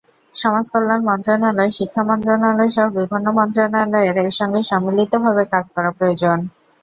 সমাজকল্যাণ মন্ত্রণালয়, শিক্ষা মন্ত্রণালয়সহ বিভিন্ন মন্ত্রণালয়ের একসঙ্গে সম্মিলিতভাবে কাজ করা প্রয়োজন।